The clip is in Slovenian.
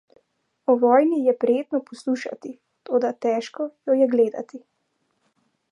O vojni je prijetno poslušati, toda težko jo je gledati.